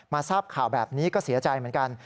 ทราบข่าวแบบนี้ก็เสียใจเหมือนกัน